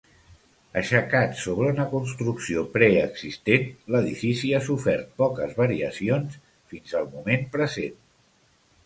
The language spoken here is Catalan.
Aixecat sobre una construcció preexistent, l'edifici ha sofert poques variacions fins al moment present.